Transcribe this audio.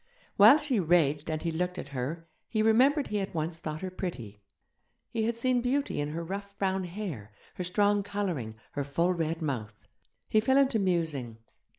While she raged and he looked at her, he remembered he had once thought her pretty. He had seen beauty in her rough brown hair, her strong colouring, her full red mouth. He fell into musing